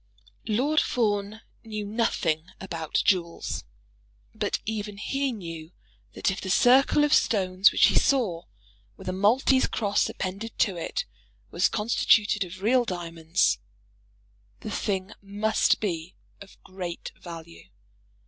Lord Fawn knew nothing about jewels, but even he knew that if the circle of stones which he saw, with a Maltese cross appended to it, was constituted of real diamonds, the thing must be of great value.